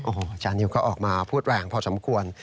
โอ้โหจานิวก็ออกมาพูดแรงพอสมควร